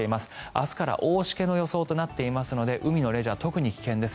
明日から大しけの予想となっていますので海のレジャー、特に危険です。